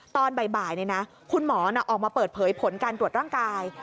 ตอนบ่ายคุณหมอออกมาเปิดเผยผลการตรวจร่างกาย